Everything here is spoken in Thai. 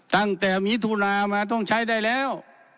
ตั้งแต่มิถุนามาต้องใช้ได้แล้ว